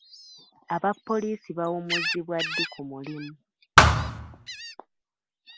Abapoliisi bawummuzibwa ddi ku mulimu?